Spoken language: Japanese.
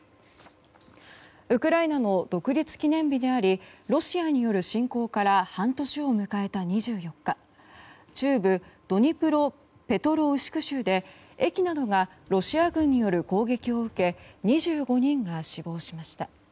ウクライナの独立記念日でありロシアによる侵攻から半年を迎えた２４日中部ドニプロペトロウシク州で駅などがロシア軍による攻撃を受け２５人が死亡しました。